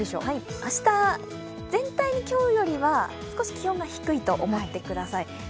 明日、全体に今日よりは少し気温が低いと思ってください。